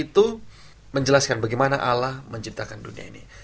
itu menjelaskan bagaimana allah menciptakan dunia ini